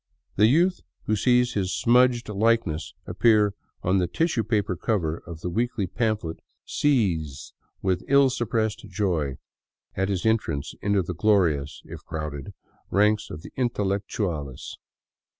The youth who sees his smudged likeness appear on the tissue paper cover of the weekly pamphlet seethes with ill suppressed joy at his entrance into the glorious, if crowded, ranks of the " intelectuales."